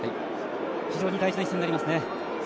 非常に大事な一戦になりますね。